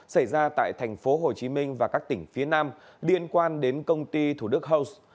xảy ra tại tp hcm và các tỉnh phía nam liên quan đến công ty thủ đức house